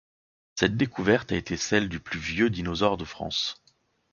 Cette découverte a été celle du plus vieux dinosaure de France.